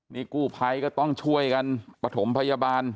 มีกู้ไพก็ต้องช่วยกันปฐมพยาบาล